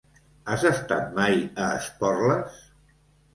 Has estat mai a Esporles?